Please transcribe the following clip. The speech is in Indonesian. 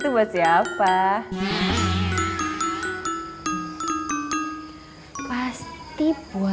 tidak ada yang bisa dikira